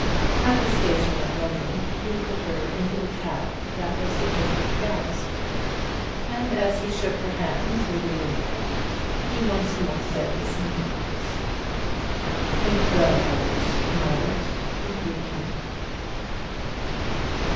At the station at London he put her into the cab that was to take her to Gower Street, and as he shook hands with her through the window, he once more said the same words: "Think well of it, Margaret, if you can."